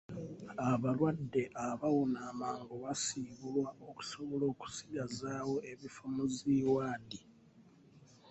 Abalwadde abawona amangu basiibulwa okusobola okusigazaawo ebifo mu zi waadi.